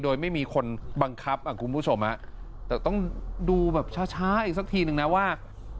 โดยไม่มีคนบังคับอ่ะคุณผู้ชมแต่ต้องดูแบบช้าอีกสักทีนึงนะว่า